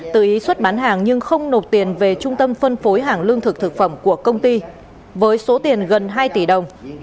tự ý xuất bán hàng nhưng không nộp tiền về trung tâm phân phối hàng lương thực thực phẩm của công ty với số tiền gần hai tỷ đồng